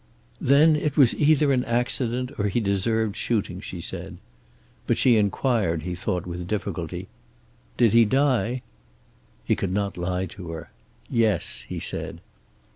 "Then it was either an accident, or he deserved shooting," she said. But she inquired, he thought with difficulty, "Did he die?" He could not lie to her. "Yes," he said.